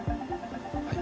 はい。